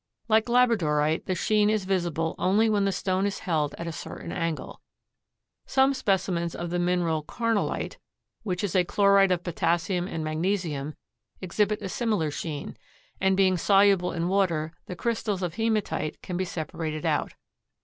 Like labradorite the sheen is visible only when the stone is held at a certain angle. Some specimens of the mineral carnallite, which is a chloride of potassium and magnesium, exhibit a similar sheen, and being soluble in water the crystals of hematite can be separated out.